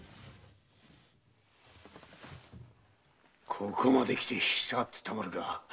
ここまできて引き下がってたまるか！